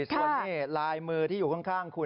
ส่วนนี้ลายมือที่อยู่ข้างคุณ